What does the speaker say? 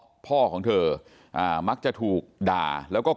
ทีนี้ก็ต้องถามคนกลางหน่อยกันแล้วกัน